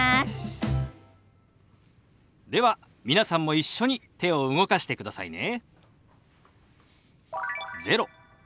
では皆さんも一緒に手を動かしてくださいね。